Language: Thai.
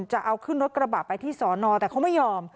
จะเอาขึ้นรถกระบะไปที่สอนอแต่เขาไม่ยอม